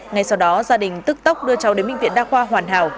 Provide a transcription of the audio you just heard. ngay sau đó gia đình tức tốc đưa cháu đến bệnh viện đa khoa hoàn hảo